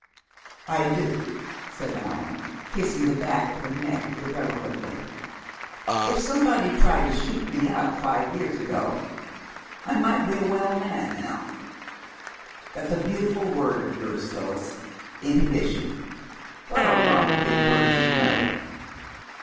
"I do," said Allan, kissing the back of her neck irrelevantly. "If somebody'd tried to shoot me up five years ago I might be a well man now. That's a beautiful word of yours, Phyllis, inhibition. What a lot of big words you know!"